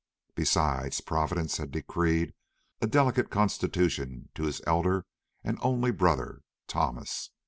Besides, Providence had decreed a delicate constitution to his elder and only brother Thomas.